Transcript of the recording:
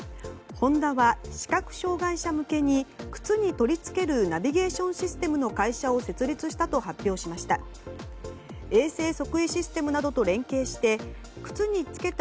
ホンダは視覚障害者向けに靴に取り付けるナビゲーションシステムの会社を設立したと発表しました。